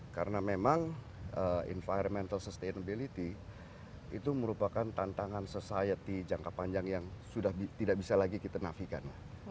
karena memang environmental sustainability itu merupakan tantangan society jangka panjang yang sudah tidak bisa lagi kita nafikan